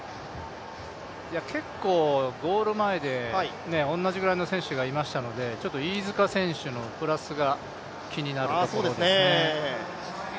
結構、ゴール前で同じぐらいの選手がいましたので、ちょっと飯塚選手のプラスが気になるところですね。